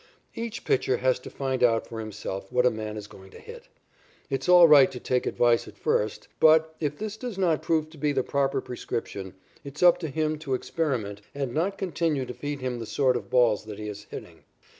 Each pitcher has to find out for himself what a man is going to hit. It's all right to take advice at first, but, if this does not prove to be the proper prescription, it's up to him to experiment and not continue to feed him the sort of balls that he is hitting.